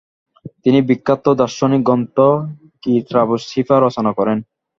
তিনি বিখ্যাত দার্শনিক গ্রন্থ কিতাবুশ শিফা রচনা করেন।